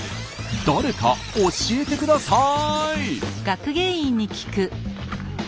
誰か教えてください！